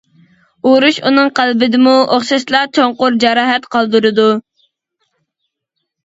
ئۇرۇش ئۇنىڭ قەلبىدىمۇ ئوخشاشلا چوڭقۇر جاراھەت قالدۇرىدۇ.